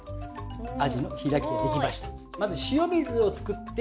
アジの開きができました。